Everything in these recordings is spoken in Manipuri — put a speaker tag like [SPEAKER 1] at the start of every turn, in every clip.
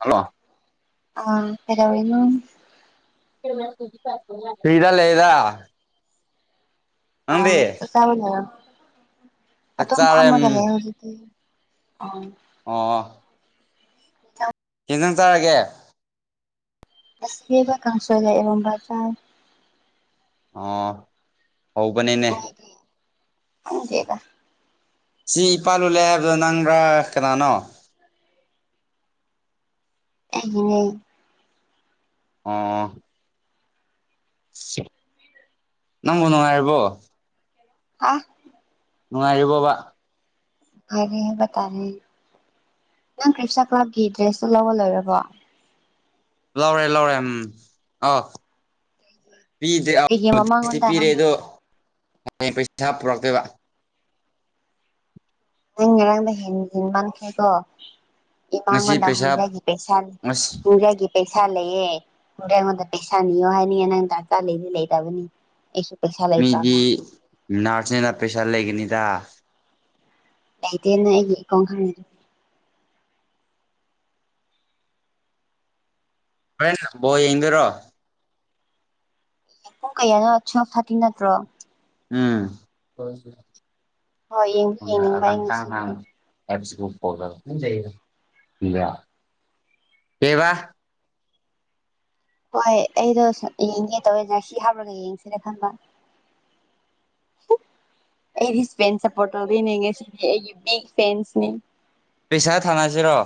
[SPEAKER 1] ꯍꯜꯂꯣ
[SPEAKER 2] ꯑ ꯀꯩꯗꯧꯔꯤꯅꯣ
[SPEAKER 1] ꯁꯤꯗ ꯂꯩꯗꯥ
[SPEAKER 2] ꯑꯥ ꯀꯁꯕꯖꯔ [inaudible]
[SPEAKER 1] ꯆꯥꯛ
[SPEAKER 2] ꯑꯗꯨꯝ
[SPEAKER 1] ꯆꯥꯔꯦ ꯎꯝ
[SPEAKER 2] ꯐꯝꯃꯒꯥ ꯂꯩꯔꯣ ꯑꯗꯨꯗꯤ
[SPEAKER 1] ꯑꯣ ꯍꯦꯟꯊꯪ ꯇꯥꯔꯒꯦ
[SPEAKER 2] ꯁꯕ ꯀꯁꯦꯕꯖꯥꯏ
[SPEAKER 1] ꯑ ꯍꯧꯕꯅꯦꯅꯦ
[SPEAKER 2] ꯍꯧꯖꯦꯒ
[SPEAKER 1] ꯁꯤ ꯏꯄꯥꯥꯜ ꯂꯨꯜꯂꯦ ꯍꯥꯏꯕꯗꯣ ꯅꯪꯕ꯭ꯔꯥ ꯀꯅꯥꯅꯣ
[SPEAKER 2] ꯎ
[SPEAKER 1] ꯑꯥ ꯅꯪꯃꯣ ꯅꯨꯡꯉꯥꯏꯔꯤꯕꯣ
[SPEAKER 2] ꯑꯥ
[SPEAKER 1] ꯅꯨꯡꯉꯥꯏꯔꯤꯕꯣꯕ
[SPEAKER 2] ꯍꯥꯏꯔꯦꯍ ꯇꯥꯔꯦ ꯅꯪ ꯀ꯭ꯔꯤꯞꯆꯥꯥ ꯀ꯭ꯂꯕꯀꯤ ꯗ꯭ꯔꯦꯁꯇꯨ ꯂꯧꯕ ꯂꯣꯏꯔꯕꯣ
[SPEAKER 1] ꯂꯧꯔꯦ ꯂꯧꯔꯦ ꯎꯝ ꯑ
[SPEAKER 2] ꯑꯩꯒꯤ
[SPEAKER 1] ꯄꯤꯗ꯭ꯔꯦꯦꯁꯇꯤ
[SPEAKER 2] ꯃꯃꯥꯡꯉꯣꯟꯗ
[SPEAKER 1] ꯄꯤꯔꯦ
[SPEAKER 2] ꯅꯪ
[SPEAKER 1] ꯑꯗꯣ ꯄꯩꯁꯥ ꯄꯨꯔꯛꯇꯣꯏꯕ
[SPEAKER 2] ꯅꯪ ꯉꯔꯥꯡꯗ ꯍꯦꯟꯦꯟ ꯃꯥꯟꯈꯦꯀꯣ
[SPEAKER 1] ꯉꯁꯤ
[SPEAKER 2] ꯃꯉꯣꯟꯗ
[SPEAKER 1] ꯄꯩꯁꯥ
[SPEAKER 2] ꯍꯣꯡꯖꯒꯤ ꯄꯩꯁꯥ
[SPEAKER 1] ꯑꯁ
[SPEAKER 2] ꯍꯣꯡꯖꯒꯤ ꯄꯩꯁꯥ ꯂꯩꯌꯦꯦ ꯍꯗ ꯑꯩꯉꯣꯟꯗ ꯄꯩꯁꯥ ꯅꯤꯌꯣ ꯍꯥꯏꯅꯤꯡꯉꯦ ꯅꯪ ꯗꯥ ꯂꯩꯗꯤ ꯂꯩꯇꯕꯅꯤ ꯑꯩꯁꯨ ꯄꯩꯁꯥ ꯂꯩꯇ꯭ꯔꯒ
[SPEAKER 1] ꯅꯅꯥꯔꯁꯁꯤꯡꯅ ꯄꯩꯁꯥ ꯂꯩꯒꯅꯤꯗ
[SPEAKER 2] ꯑꯗꯤꯅ ꯑꯩꯀꯣꯣꯡ ꯈ
[SPEAKER 1] ꯍ ꯕꯣ ꯌꯦꯡꯗꯔꯣ
[SPEAKER 2] ꯄꯨꯡ ꯀꯌꯥꯅ ꯁꯞ ꯊꯥꯇꯤ ꯅꯠꯇ꯭ꯔꯣ ꯍꯣꯏ ꯌꯦꯡꯗꯤ
[SPEAKER 1] ꯎꯝ
[SPEAKER 2] ꯌꯦꯡꯅꯤꯡꯕ ꯑꯩ
[SPEAKER 1] ꯇ
[SPEAKER 2] ꯉꯁꯤꯒꯤꯗꯤ
[SPEAKER 1] ꯑꯦ ꯀꯕꯥ
[SPEAKER 2] ꯍꯣꯏ ꯑꯩꯗꯣ ꯌꯦꯡꯒꯦ ꯇꯧꯋꯦ ꯉꯁꯤ ꯍꯥꯞꯂꯒ ꯌꯦꯡꯁꯤꯔꯦ ꯈꯟꯕ ꯍ ꯑꯩꯗꯤꯄꯣꯔ ꯁꯤ ꯐ
[SPEAKER 1] ꯄꯩꯁꯥ ꯊꯥꯅꯁꯤꯔꯣ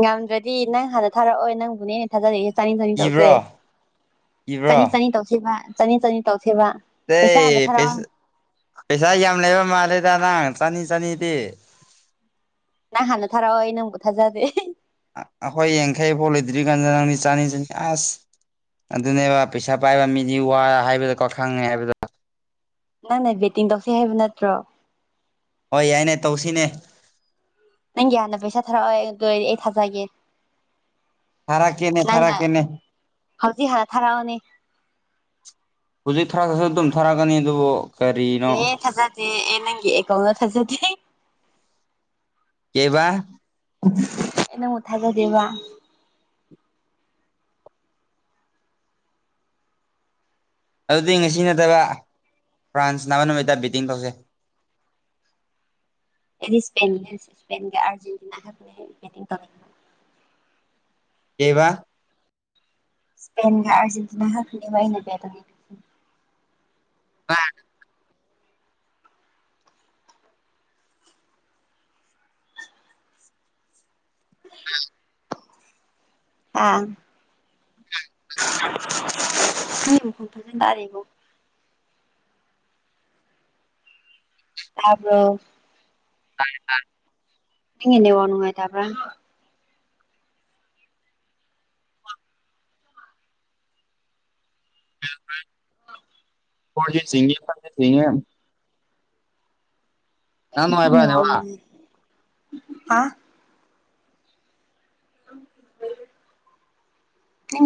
[SPEAKER 2] ꯉꯝꯗ꯭ꯔꯗꯤ ꯅꯪ ꯍꯥꯟꯅ ꯊꯥꯔꯛꯑꯣ ꯅꯪꯕꯨꯅꯦ ꯍꯦꯟꯅ ꯊꯥꯖꯔꯛꯒꯦꯦ ꯆꯅꯤ ꯆꯅꯤ ꯇꯧꯁ
[SPEAKER 1] ꯏꯕ꯭ꯔꯣ
[SPEAKER 2] ꯆꯅꯤ
[SPEAKER 1] ꯏꯕ꯭ꯔꯣ
[SPEAKER 2] ꯆꯅꯤ ꯇꯧꯁꯤ ꯆꯅꯤ ꯆꯅꯤ ꯇꯧ
[SPEAKER 1] ꯑꯦ ꯄꯩꯁꯥ ꯌꯥꯝ ꯂꯩꯕ ꯃꯥꯂꯦꯗ ꯥꯡ ꯆꯅꯤ ꯆꯅꯤꯗꯤ
[SPEAKER 2] ꯅꯪꯍ ꯅ ꯊꯔꯑꯣꯣꯏ ꯅꯪꯕꯨ ꯊꯥꯖꯗꯦ
[SPEAKER 1] ꯑꯩꯈꯣꯏ ꯌꯥꯡꯈꯩ ꯐꯥꯎ ꯂꯩꯗ꯭ꯔꯤ ꯀꯥꯟꯗꯦ ꯅꯪꯅꯤ ꯆꯥꯅꯤ ꯆꯅꯤ ꯑꯁ ꯑꯗꯨꯅꯦꯕ ꯄꯩꯁꯥ ꯄꯥꯏꯕ ꯃꯤꯗꯤ ꯋꯥ ꯍꯥꯏꯕꯗꯀꯣ ꯈꯪꯉꯦ ꯍꯥꯏꯕꯗꯣ
[SPEAKER 2] ꯅꯪꯅꯦ ꯕꯦꯠꯇꯤꯡ ꯇꯧꯁ ꯍꯥꯏꯕ ꯅꯠꯇ꯭ꯔꯣ
[SPEAKER 1] ꯍꯣꯏ ꯌꯥꯏꯅꯦ ꯇꯧꯁꯤꯅꯦ
[SPEAKER 2] ꯅꯪꯒꯤ ꯌꯥꯅ ꯄꯩꯁꯥ ꯊꯔꯛꯑꯣ ꯑꯗꯨ ꯑꯣꯏꯔꯗꯤ ꯑꯩ ꯊꯥꯖꯒꯦ
[SPEAKER 1] ꯊꯥꯔꯛꯀꯦꯅꯦ
[SPEAKER 2] ꯅꯪ
[SPEAKER 1] ꯊꯥꯔꯛꯀꯦꯅꯦ
[SPEAKER 2] ꯍꯧꯖꯤꯛ ꯍ ꯊꯥꯔꯛꯑꯣꯅꯦ
[SPEAKER 1] ꯍꯧꯖꯤꯛ ꯊꯔ ꯈꯁꯨ ꯑꯗꯨꯝ ꯊꯥꯔꯛꯀꯅꯤ ꯑꯗꯨꯕꯨ ꯀꯔꯤꯅꯣ
[SPEAKER 2] ꯑꯦ ꯊꯥꯖꯗꯦ ꯑꯦ ꯅꯪꯒꯤꯑ ꯀꯧꯅ ꯊꯥꯖꯗꯦ
[SPEAKER 1] ꯀꯕꯥ
[SPEAKER 2] ꯑꯦꯩꯅ ꯃꯨ ꯊꯥꯖ ꯗꯦꯕ
[SPEAKER 1] ꯑꯗꯨꯗꯤ ꯉꯁꯤ ꯅꯠꯇꯕ ꯐ꯭ꯔꯥꯟꯁ ꯅꯥꯕ ꯅꯨꯃꯤꯠꯇ ꯕꯤꯦꯠꯇꯤꯡ ꯇꯧꯁꯩ
[SPEAKER 2] [unintelligible] ꯗꯤ ꯏꯁꯄꯦꯟꯖꯦꯟꯇꯤꯅꯥꯒ ꯇ
[SPEAKER 1] ꯀꯕꯥ
[SPEAKER 2] ꯁ꯭ꯄꯦꯟ ꯑꯔꯖꯦꯟꯇꯤꯅꯥ ꯍꯈꯅꯤꯕꯏꯅꯕ
[SPEAKER 1] ꯑ
[SPEAKER 2] [unintelligible] ꯑꯥ ꯎ ꯐꯖ ꯇꯔꯦꯉꯣ ꯇꯕ꯭ꯔꯣ
[SPEAKER 1] ꯇ
[SPEAKER 2] ꯃꯤꯟꯅ ꯋꯥꯅꯨꯉꯥꯏꯇꯕ꯭ꯔ
[SPEAKER 1] ꯎꯝ ꯎꯝ ꯐꯔꯖꯤ ꯁꯤꯡ ꯐꯁꯤꯡꯦ
[SPEAKER 2] ꯋꯥ ꯑ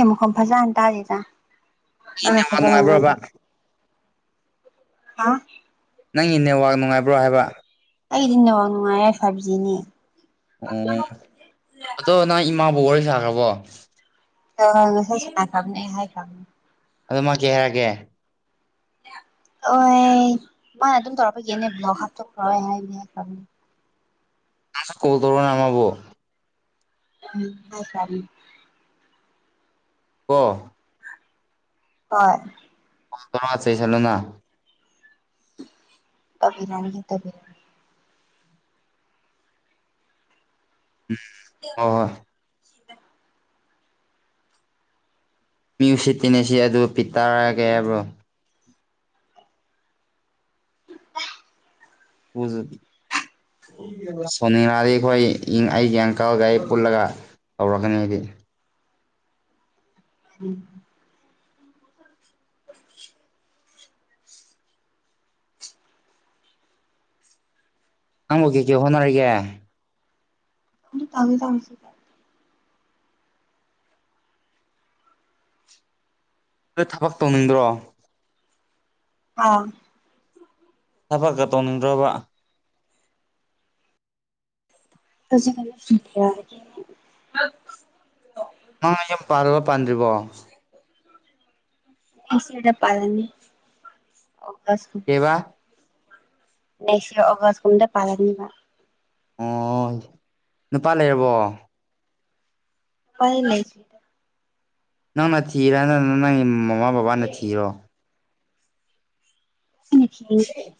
[SPEAKER 2] ꯏ ꯃꯈꯝ ꯐꯖꯥ ꯇꯥꯗꯦꯗ ꯑ
[SPEAKER 1] ꯅꯨꯡꯉꯥꯏꯕ꯭ꯔꯕ
[SPEAKER 2] ꯐꯖꯉ ꯑ
[SPEAKER 1] ꯅꯪꯒꯤ ꯅꯦꯠꯋꯥꯛ ꯅꯨꯡꯉꯥꯏꯕ꯭ꯔꯣ ꯍꯥꯏꯕ
[SPEAKER 2] ꯑꯩꯗꯤ ꯅꯅꯨꯡꯕꯥꯎ ꯅꯨꯡꯉꯥꯏ ꯁꯕꯖꯤꯅꯦ
[SPEAKER 1] ꯑꯣ ꯑꯗꯣ ꯅꯪ ꯏꯃꯥꯕꯨ ꯋꯥꯔꯤ ꯁꯥꯈ꯭ꯔꯕꯣ
[SPEAKER 2] ꯑ ꯀ ꯍꯥꯏ ꯀ
[SPEAKER 1] ꯑꯗꯨ ꯃꯥ ꯀꯩ ꯍꯥꯏꯔꯑꯒꯦ
[SPEAKER 2] ꯏ ꯑꯣ ꯃꯥ ꯑꯗꯨꯝ ꯇꯔ ꯌꯦꯅꯦ ꯭ꯂ ꯍꯥ꯭ꯔ ꯍꯥꯏ
[SPEAKER 1] ꯀꯣꯗꯧꯔ ꯅ ꯑꯃꯕꯣ
[SPEAKER 2] ꯎꯝ ꯍ ꯆ
[SPEAKER 1] ꯀ
[SPEAKER 2] ꯍ
[SPEAKER 1] ꯑꯣꯗꯔꯣꯁ ꯆꯂꯣꯅ
[SPEAKER 2] ꯇꯕꯤꯔꯅꯤꯦ ꯇꯕꯤꯔ
[SPEAKER 1] ꯍ ꯍꯣꯏ ꯃ꯭ꯌꯨ ꯁꯤꯇꯤꯟꯅꯁꯤ ꯑꯗꯨ ꯄꯤ ꯇꯔꯒꯦ ꯍꯥꯏꯕ꯭ꯔꯣ ꯍꯧꯖꯕꯤ ꯁꯣꯅꯤꯅꯥꯔꯤꯈꯣꯏ ꯏꯪ ꯑꯩ ꯒ꯭ꯌꯥꯡꯀꯥꯒ ꯑꯩ ꯄꯨꯜꯂꯒ ꯇꯧꯔꯀꯅꯦꯗꯤ
[SPEAKER 2] ꯎꯝ [unintelligible]
[SPEAKER 1] ꯍꯪꯒꯀꯦ ꯍꯣꯅꯔꯒ
[SPEAKER 2] ꯑꯗꯨ ꯇ ꯑꯗꯨ ꯇꯁꯤ
[SPEAKER 1] ꯑ ꯊꯕꯛ ꯇꯧꯅꯤꯡꯗ꯭ꯔꯣ
[SPEAKER 2] ꯑꯥ
[SPEAKER 1] ꯆꯐꯥ ꯀꯇꯣꯟ ꯔꯕ
[SPEAKER 2] ꯑꯗꯨꯁꯤ ꯀꯩꯅ
[SPEAKER 1] ꯃꯥ ꯌꯨꯝ ꯄꯥꯔꯕꯣ ꯄꯥꯥꯟꯗ꯭ꯔꯤꯕꯣ
[SPEAKER 2] ꯁ ꯄꯅꯤ
[SPEAKER 1] ꯀꯩꯕꯥ
[SPEAKER 2] ꯅꯩꯁꯤ ꯑꯒꯁ ꯀꯗ ꯄꯥꯅꯤꯕ
[SPEAKER 1] ꯑꯣ ꯅꯨꯄꯥ ꯂꯩꯔꯕꯣ
[SPEAKER 2] ꯄ ꯂꯩ ꯁꯤ
[SPEAKER 1] ꯅꯪꯅ ꯊꯤꯔꯦ ꯅꯅ ꯅꯪꯒꯤ ꯃꯃꯥ ꯕꯕꯥꯅ ꯊꯤꯔꯣ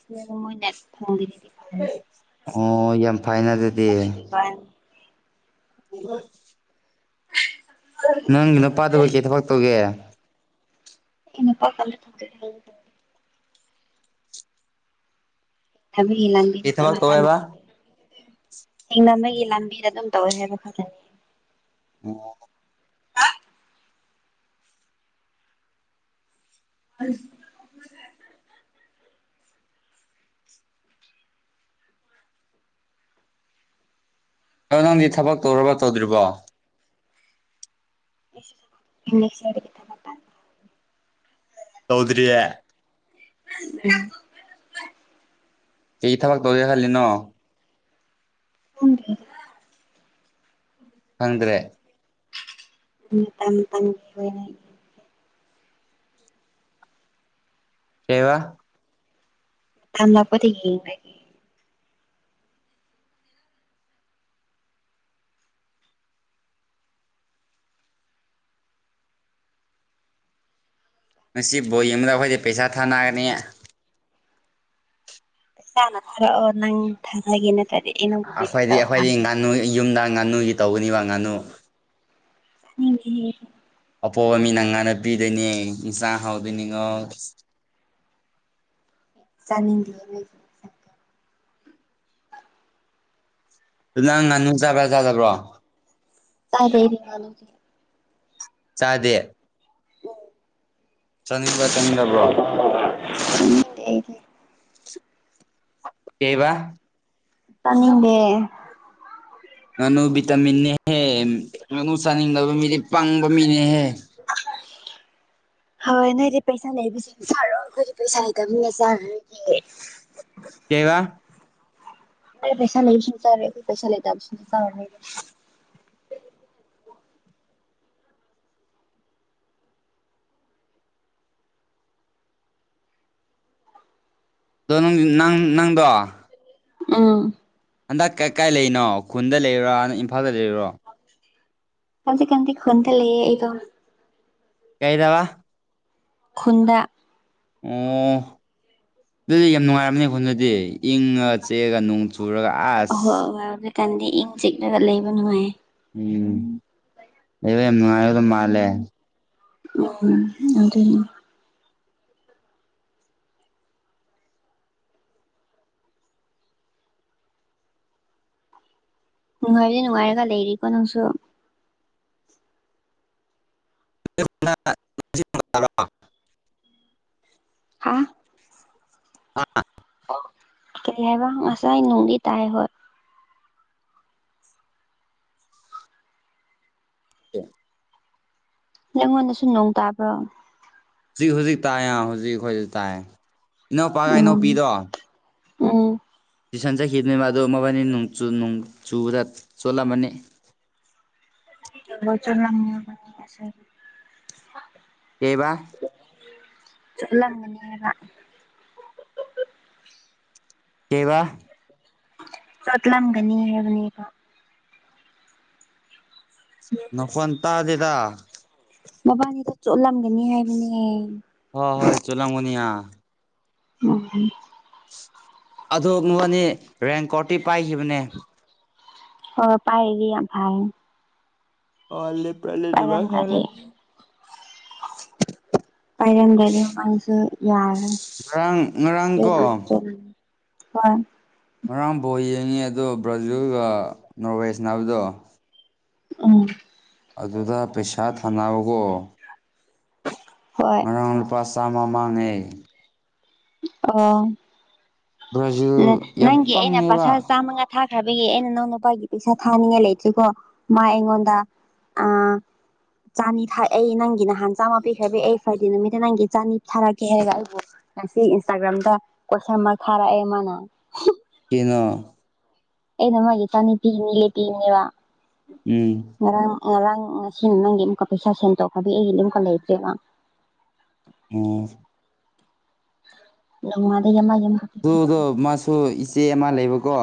[SPEAKER 2] ꯊ ꯊ ꯃꯣꯏ ꯅ ꯊ
[SPEAKER 1] ꯑꯣ ꯌꯥꯝ ꯐꯥꯏꯅ ꯑꯗꯨꯗꯤ
[SPEAKER 2] ꯂꯩꯇꯕꯒꯤ ꯋꯥꯅꯤ
[SPEAKER 1] ꯑ ꯅꯪꯒꯤ ꯅꯨꯄꯥꯗꯕ ꯀꯩ ꯊꯕꯛ ꯇꯧꯒꯦ
[SPEAKER 2] ꯏꯩꯅ ꯄ ꯀꯜꯂ ꯇ ꯀꯜꯂ ꯇꯦ ꯊꯕꯤꯒꯤ ꯂꯝꯥꯟꯕꯤ ꯊ
[SPEAKER 1] ꯀꯩ
[SPEAKER 2] ꯀ
[SPEAKER 1] ꯊꯕꯛ
[SPEAKER 2] ꯇꯧ
[SPEAKER 1] ꯇꯧꯋꯦꯕ
[SPEAKER 2] ꯍꯦꯡꯅ ꯃꯒꯤ ꯂꯝꯕꯤꯗ ꯑꯗꯨꯝ ꯇꯧꯋꯦ ꯍꯥꯏꯕ ꯈꯛꯇꯅꯤ
[SPEAKER 1] ꯑꯣ
[SPEAKER 2] ꯑ
[SPEAKER 1] ꯑꯣ ꯅꯪꯗꯤ ꯊꯕꯛ ꯇꯧꯔꯕ ꯇꯧꯗ꯭ꯔꯤꯕꯣ
[SPEAKER 2] ꯁꯇ
[SPEAKER 1] ꯆꯧꯗꯔꯤꯌꯥ
[SPEAKER 2] ꯎꯝ
[SPEAKER 1] ꯀꯩ ꯊꯕꯛ ꯇꯧꯒꯦ ꯈꯜꯂꯤꯅꯣ
[SPEAKER 2] ꯎ
[SPEAKER 1] ꯈꯪꯗ꯭ꯔꯦ
[SPEAKER 2] ꯎꯝ ꯇ ꯇ
[SPEAKER 1] ꯀꯩꯕꯥ
[SPEAKER 2] ꯊꯝꯕꯄꯗꯤ
[SPEAKER 1] ꯃꯁꯤꯁꯤ ꯕꯝꯗ ꯑꯩꯈꯣꯏꯗ ꯄꯩꯁꯥ ꯊꯥꯅꯅꯤ
[SPEAKER 2] ꯩꯁꯅ ꯊꯔꯛꯑꯣ ꯅꯪ ꯊꯒꯦꯅ
[SPEAKER 1] ꯑꯩꯈꯣꯏꯗꯤ ꯑꯩꯈꯣꯏꯗꯤ ꯉꯥꯅꯨ ꯌꯨꯝꯗ ꯉꯥꯅꯨꯒꯤ ꯇꯧꯒꯅꯦꯕ ꯉꯥꯅꯨ
[SPEAKER 2] ꯎ
[SPEAKER 1] ꯑꯄꯣꯕ ꯃꯤ ꯅ ꯉꯥꯟꯅ ꯄꯤꯗꯣꯏꯅꯦ ꯏꯟꯁꯥꯡ ꯍꯥꯎꯗꯣꯏꯅꯤꯉꯣ
[SPEAKER 2] ꯆꯅꯤꯗꯤ
[SPEAKER 1] ꯑꯗꯨ ꯅꯪ ꯉꯥꯅꯨ ꯆꯥꯕ꯭ꯔꯥ ꯆꯥꯗꯕ꯭ꯔꯣ
[SPEAKER 2] ꯑꯗꯦ
[SPEAKER 1] ꯆꯥꯗꯦ ꯆꯥꯅꯤꯡꯕ꯭ꯔꯥ ꯆꯥꯅꯤꯡꯗꯕ꯭ꯔꯣ
[SPEAKER 2] [inaudible]
[SPEAKER 1] ꯀꯩꯕꯥ
[SPEAKER 2] ꯇꯅꯤꯡꯗꯦ
[SPEAKER 1] ꯅꯅꯨ ꯇꯥꯃꯤꯟꯅꯦꯦ ꯆꯥꯅꯤꯡꯗꯕ ꯃꯤꯗꯤ ꯄꯪꯕ ꯃꯤꯅꯦꯍꯦ
[SPEAKER 2] [inaudible] ꯍꯣꯏ ꯅꯣꯏꯗꯤ ꯄꯩꯁꯥ ꯂꯩꯕꯁꯦ ꯆꯥꯔꯣ ꯑꯩꯈꯣꯏꯗꯤ ꯄꯩꯁꯥ ꯂꯩꯇꯅꯤꯅ ꯆꯥꯔꯗꯤ
[SPEAKER 1] ꯀꯩꯕ
[SPEAKER 2] ꯄꯩꯁꯥ ꯂꯩꯁ ꯆꯔꯦ ꯄꯩꯁꯥ ꯂꯩꯇꯁ ꯆꯔ
[SPEAKER 1] ꯑꯗꯣ ꯅꯪ ꯅꯪꯗꯣ
[SPEAKER 2] ꯑꯥ
[SPEAKER 1] ꯍꯟꯗꯛ ꯀ ꯀꯥꯏ ꯂꯩꯔꯤꯅꯣ ꯈꯨꯟꯗ ꯂꯩꯔꯔꯣ ꯍꯟꯗ ꯏꯝꯐꯥꯜꯗ ꯂꯩꯔꯤꯔꯣ
[SPEAKER 2] ꯀꯥꯟꯖꯤ ꯀꯥꯟꯗꯛ ꯈꯟꯗ ꯂꯩꯦ ꯏꯗꯣ
[SPEAKER 1] ꯀꯩꯗꯕ
[SPEAKER 2] ꯈꯨꯟꯗ
[SPEAKER 1] ꯑꯣ ꯑꯗꯨꯗꯤ ꯌꯥꯝ ꯅꯨꯡꯉꯥꯏꯔꯝꯅꯦ ꯑꯩꯈꯣꯟ ꯑꯗꯨꯗꯤ ꯏꯪꯉꯒ ꯆꯦꯛꯑꯒ ꯅꯣꯡ ꯆ ꯇꯨꯔꯒ ꯑꯥꯁ
[SPEAKER 2] ꯀꯟꯗꯤ ꯏꯪ ꯆꯤꯛꯂꯒ ꯂꯩꯕ ꯅꯨꯡꯉꯥꯏꯌꯦ
[SPEAKER 1] ꯎꯝ ꯑꯕꯅꯨꯡꯗ ꯃꯥꯂꯦ
[SPEAKER 2] ꯎꯝ ꯑꯗꯨꯗ ꯅꯨꯡꯉꯥꯏꯔꯗꯤ ꯅꯨꯡꯉꯥꯏꯔꯒ ꯂꯩꯔꯤꯀꯣ ꯅꯪꯁꯨ
[SPEAKER 1] [inaudible]
[SPEAKER 2] ꯍꯥ
[SPEAKER 1] ꯑꯥ
[SPEAKER 2] ꯀꯩ ꯍꯥꯏꯕ ꯉꯁꯥꯏ ꯅꯨꯡꯗꯤ ꯇꯥꯏ ꯍꯣꯏ
[SPEAKER 1] ꯑ
[SPEAKER 2] ꯅꯉꯣꯟꯗꯁꯨ ꯅꯣꯡ ꯇꯥꯕ꯭ꯔꯣ
[SPEAKER 1] ꯍꯧꯖꯤꯛ ꯍꯧꯖꯤꯛ ꯇꯥꯏꯌꯦ ꯍꯧꯖꯤꯛꯈꯖꯤꯛ ꯇꯥꯏ ꯏꯅꯎꯄꯥꯒ
[SPEAKER 2] ꯎꯝ
[SPEAKER 1] ꯏꯅꯧꯄꯤꯗꯣ
[SPEAKER 2] ꯎꯝ
[SPEAKER 1] ꯇꯨꯏꯁꯟ ꯆꯠꯈꯤꯗꯅꯤ ꯃꯥ ꯑꯗꯨ ꯃꯕꯥꯅꯤ ꯅꯣꯡꯆꯨꯗ ꯆꯣꯠꯂꯝꯃꯅꯤ
[SPEAKER 2] ꯆꯔ ꯂꯅꯁ
[SPEAKER 1] ꯀꯩꯕ
[SPEAKER 2] ꯆꯂꯒ ꯅꯔ
[SPEAKER 1] ꯀꯕꯥ
[SPEAKER 2] ꯁꯣꯇꯂꯝꯒꯅꯤ ꯍꯥꯏꯦꯕꯅꯤꯕ
[SPEAKER 1] ꯅ ꯐꯣꯟ ꯇꯗꯦꯗ
[SPEAKER 2] ꯃꯕꯥꯅꯤꯗ ꯆꯣꯠꯂꯝꯒꯅꯤ ꯍꯥꯏꯕꯅꯦ
[SPEAKER 1] ꯍꯣꯏ ꯍꯣꯏ ꯆꯂꯪꯒꯅꯌꯥ
[SPEAKER 2] ꯎꯝ
[SPEAKER 1] ꯑꯗꯨꯣꯛꯅꯨꯅꯤ ꯔꯦꯡ ꯀꯣꯔꯣꯠꯇꯤ ꯄꯥꯏꯈꯤꯕꯅꯦ
[SPEAKER 2] ꯑꯣ ꯄꯥꯏꯒꯚꯥꯏ
[SPEAKER 1] ꯑꯂꯦ ꯄꯔꯂꯦ ꯑꯗꯨ ꯈꯥꯏꯂ
[SPEAKER 2] ꯄꯥꯏꯔꯗꯗꯤ ꯃꯁꯨ ꯌꯥꯔ
[SPEAKER 1] ꯉꯔꯥꯡ ꯉꯔꯥꯡꯀꯣ
[SPEAKER 2] ꯍꯣꯏ
[SPEAKER 1] ꯉꯔꯥꯡ ꯐꯕꯣ ꯌꯦꯡꯉꯤ ꯑꯗꯣ ꯕ꯭ꯔꯥꯖꯤꯜꯒ ꯅꯣꯔꯋꯦꯁ ꯕꯗꯣ
[SPEAKER 2] ꯑꯣ
[SPEAKER 1] ꯑꯗꯨꯗ ꯄꯩꯁꯥ ꯊꯥꯅꯧꯒꯣ
[SPEAKER 2] ꯍꯣꯏ
[SPEAKER 1] ꯉꯥꯡ ꯂꯨꯄꯥ ꯁ ꯃ ꯃꯥꯡꯉꯦ
[SPEAKER 2] ꯑꯣ
[SPEAKER 1] ꯕ꯭ꯔꯥꯖꯤꯜ ꯌꯥꯝ
[SPEAKER 2] ꯅꯪꯒꯤ ꯑꯩꯅ
[SPEAKER 1] ꯄꯪꯉꯦꯕ
[SPEAKER 2] ꯄꯁꯥ ꯆꯥꯝꯃꯉꯥ ꯊꯥ ꯍꯥꯏꯕꯒꯤ ꯑꯩꯅ ꯅꯅꯥꯎꯅ ꯅꯨꯄꯥꯒꯤ ꯄꯩꯁꯥ ꯊꯥꯅꯤꯡꯉꯥꯏ ꯂꯩꯇ꯭ꯔꯤꯀꯣ ꯃꯥ ꯑꯩꯉꯣꯟꯗ ꯑ ꯆꯥꯅꯤ ꯊ ꯑꯩ ꯅꯪꯒꯤ ꯅꯍꯥꯟ ꯆꯥꯝꯃ ꯄꯤꯈ꯭ꯔꯕꯤ ꯑꯩ ꯐ꯭ꯔꯥꯏꯗꯦ ꯅꯨꯃꯤꯠꯇ ꯅꯪꯒꯤ ꯆꯥꯅꯤ ꯊꯥꯔꯛꯀꯦ ꯍꯥꯏꯔꯒ ꯑꯩꯕꯨ ꯉꯁꯤ ꯏꯟꯁꯇꯥꯒ꯭ꯔꯥꯝꯗ ꯀꯣꯏꯁꯟ ꯑꯃ ꯊꯥꯔꯛꯑꯦ ꯃꯥꯅ
[SPEAKER 1] ꯀꯩꯅ
[SPEAKER 2] ꯑꯦ ꯅ ꯃꯥꯒꯤꯦ ꯆꯅꯤ ꯇꯤꯅꯤꯂꯦ ꯇꯤꯅꯤ ꯋꯥ
[SPEAKER 1] ꯎꯝ
[SPEAKER 2] ꯉꯔꯥꯡ ꯉꯁꯤ ꯅꯪꯒꯤ ꯑꯃꯨꯛꯀ ꯄꯩꯁꯥ ꯁꯦꯟ ꯇꯧꯈ꯭ꯔꯕꯤ ꯑꯩꯒꯤ ꯑꯃꯨꯛꯀ ꯂꯩꯇ꯭ꯔꯦꯕ
[SPEAKER 1] ꯑꯣꯝ
[SPEAKER 2] ꯃꯥ ꯃꯥ
[SPEAKER 1] ꯑꯗꯨꯗꯣ ꯃꯥꯁꯨ ꯏꯆꯦ ꯑꯃ ꯂꯩꯕꯀꯣ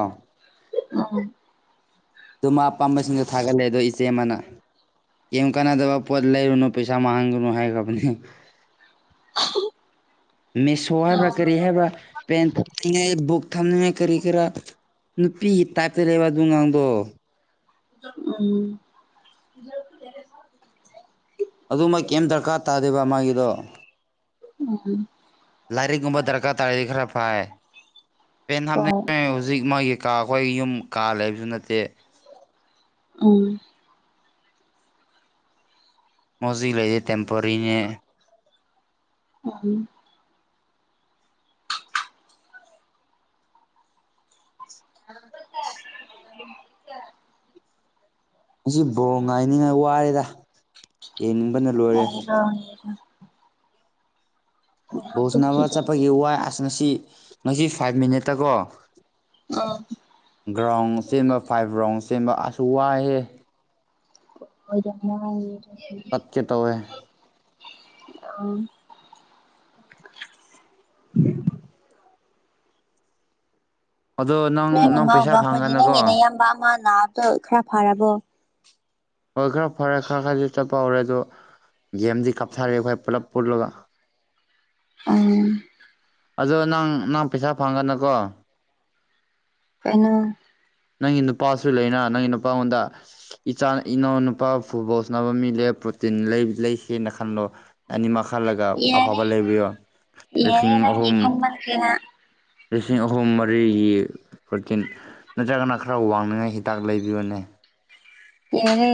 [SPEAKER 2] ꯑ
[SPEAKER 1] ꯑꯗꯨꯣ ꯃꯥ ꯑꯄꯥꯝꯕꯁꯤꯡꯗꯣ ꯊꯥꯒꯠꯂꯦ ꯑꯗꯣ ꯏꯆꯦ ꯑꯃꯅ ꯀ ꯀꯥꯟꯅꯗꯕ ꯄꯣꯠ ꯂꯩꯔꯨꯅꯨ ꯄꯩꯁꯥ ꯃꯥꯡꯒꯨꯅꯨ ꯍꯥꯏꯈ꯭ꯔꯕꯅꯦ
[SPEAKER 2] [inaudible]
[SPEAKER 1] ꯃꯦꯁꯣ ꯍꯥꯏꯕ꯭ꯔꯥ ꯀꯔꯤ ꯍꯥꯏꯕ꯭ꯔꯥ ꯄꯦꯟ ꯑꯉꯩ ꯕꯨꯛ ꯊꯝꯅꯤꯡꯉꯥꯏ ꯀꯔꯤ ꯈꯔ ꯅꯨꯄꯤꯒꯤ ꯇꯥꯏꯞꯇ ꯂꯩꯕ ꯑꯗꯨ ꯉꯥꯡꯗꯣ
[SPEAKER 2] ꯎꯝ
[SPEAKER 1] ꯑꯗꯨꯃꯛ ꯀꯩꯝ ꯗꯔꯀꯥꯔ ꯇꯥꯗꯦꯕ ꯃꯥꯒꯤꯗꯣ
[SPEAKER 2] ꯎꯝ
[SPEAKER 1] ꯂꯥꯏꯔꯤꯛꯀꯨꯝꯕ ꯗꯔꯀꯥꯔ ꯇꯥꯔꯗꯤ ꯈꯔ ꯐꯥꯏ ꯄꯦꯟ
[SPEAKER 2] ꯍꯣꯏ
[SPEAKER 1] ꯍꯥꯞꯅꯤꯡ ꯍꯧꯖꯤꯛ ꯃꯣꯏꯒꯤ ꯀꯥ ꯑꯩꯈꯣꯏ ꯌꯨꯝ ꯀꯥ ꯂꯩꯕꯁꯨ ꯅꯠꯇꯦ
[SPEAKER 2] ꯑ
[SPEAKER 1] ꯃꯣꯖꯤꯛ ꯂꯩꯔꯤꯦ ꯇꯦꯝꯄꯣꯔꯤꯅꯦ
[SPEAKER 2] ꯎꯝ ꯎ
[SPEAKER 1] ꯉ ꯕꯣ ꯉꯥꯏꯅꯤꯉꯥꯏ ꯋꯥꯔꯦꯗ ꯌꯦꯡꯅꯤꯡꯕꯅ ꯂꯣꯏꯔꯦ
[SPEAKER 2] ꯂꯩꯔꯣ ꯂꯩꯔꯣ ꯉꯥꯏꯍꯥꯛ
[SPEAKER 1] ꯧꯖꯅꯕ
[SPEAKER 2] ꯇꯨꯝꯈꯤꯒꯦ
[SPEAKER 1] ꯆꯠꯄꯒꯤ ꯋꯥꯏ ꯑꯁ ꯉꯁꯤ ꯉꯁꯤ ꯐꯥꯏꯚ ꯃꯤꯅꯤꯠꯇ ꯀꯣ
[SPEAKER 2] ꯎꯝ
[SPEAKER 1] ꯒ꯭ꯔꯥꯎꯟ ꯁꯦꯝꯕ ꯐꯥꯏꯚ ꯔꯒ꯭ꯔꯥꯎꯟ ꯆ ꯁꯦꯝꯕ ꯑꯁꯨ ꯋꯥꯏꯑꯦ
[SPEAKER 2] ꯑꯣꯏ ꯌꯥꯝꯅꯦ
[SPEAKER 1] ꯇꯠꯀꯤꯦ ꯇꯧꯋꯦ
[SPEAKER 2] ꯑ ꯎꯝ
[SPEAKER 1] ꯑꯗꯣ
[SPEAKER 2] ꯅꯣꯏ
[SPEAKER 1] ꯅꯪ ꯅꯪ
[SPEAKER 2] ꯃꯃꯥ
[SPEAKER 1] ꯄꯩꯁꯥ
[SPEAKER 2] ꯕꯕꯥ ꯈꯣꯏꯗꯤ
[SPEAKER 1] ꯐꯪꯒꯅꯀꯣ
[SPEAKER 2] ꯅꯪꯒꯤꯅ ꯏꯌꯥꯝꯕ ꯑꯃ ꯅꯥꯕꯗꯣ ꯈꯔ ꯐꯔꯕꯣ
[SPEAKER 1] ꯍꯈꯔ ꯐꯣꯔꯦ ꯈꯔ ꯈ ꯆ ꯄꯧꯔꯦ ꯑꯗꯣ ꯒꯦꯝꯗꯤ ꯀꯥꯞꯊꯔꯦ ꯑꯩꯈꯣꯏ ꯄꯨꯂꯞ ꯄꯨꯜꯂꯒ
[SPEAKER 2] ꯎꯝ
[SPEAKER 1] ꯑꯗꯣ ꯅꯪ ꯅꯪ ꯄꯩꯁꯥ ꯐꯪꯒꯅꯀꯣ
[SPEAKER 2] ꯀꯩꯅꯣ
[SPEAKER 1] ꯅꯪꯒꯤ ꯅꯨꯄꯥꯁꯨ ꯂꯩꯅ ꯅꯪꯒꯤ ꯅꯨꯄꯥꯉꯣꯟꯗ ꯏꯆꯥ ꯏꯅꯥꯎ ꯅꯨꯄꯥ ꯐꯨꯠꯕꯣꯜ ꯁꯥꯟꯅꯕ ꯃꯤ ꯂꯦꯞꯄ ꯄ꯭ꯔꯣꯇꯤꯟ ꯂꯩꯁꯦꯅ ꯈꯜꯂꯣ ꯑ ꯃꯈꯥꯂ
[SPEAKER 2] ꯌꯥꯔꯦ
[SPEAKER 1] ꯑꯐꯕ ꯂꯩꯕꯤꯌꯣ
[SPEAKER 2] ꯌꯥꯔꯦ ꯅꯪꯒꯤ ꯈꯟꯃꯟꯈ꯭ꯔꯦꯅ
[SPEAKER 1] ꯁꯤꯡ ꯑꯍꯨꯝ ꯃꯔꯤꯒꯤ ꯄ꯭ꯔꯣꯔꯇꯤꯟ ꯅꯠꯇ꯭ꯔꯒꯅ ꯈꯔ ꯋꯥꯡꯅꯤꯡꯉꯥꯏ ꯍꯤꯗꯥꯛ ꯂꯩꯕꯤꯕꯅꯦ
[SPEAKER 2] ꯌꯥꯔ